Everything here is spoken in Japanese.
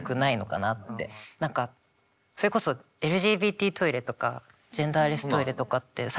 何かそれこそＬＧＢＴトイレとかジェンダーレストイレとかって最近。